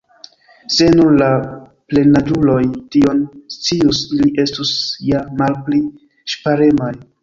Se nur la plenaĝuloj tion_ scius, ili estus ja malpli ŝparemaj.